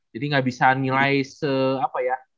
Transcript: jadi gak bisa nilai se apa ya